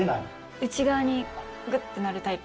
内側にぐっとなるタイプ。